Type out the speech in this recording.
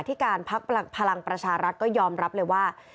ที่การพักพลังประชารัฐก็ยอมรับเลยว่า